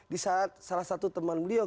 di saat salah satu teman beliau